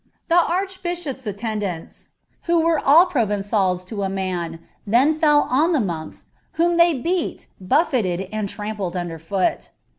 The archbishop's attendants, e all Proven^ls to a man, then fell on the monks, whom they I, and trampled under foot.